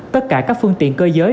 tất cả các phương tiện cơ giới